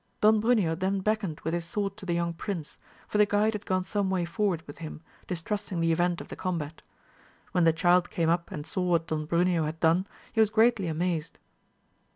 Don Bruneo then beckoned with his sword to the young prince, for the guide had gone some way for ward with him, distrusting the event of the combat. When the child came up and saw what Don Bruneo had done, he was greatly amazed.